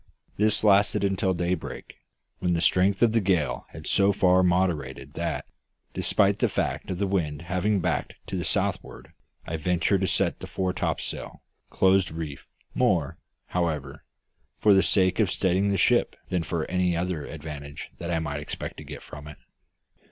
This lasted until daybreak, when the strength of the gale had so far moderated that despite the fact of the wind having backed to the southward I ventured to set the fore topsail, close reefed; more, however, for the sake of steadying the ship than for any other advantage that I expected to get from it.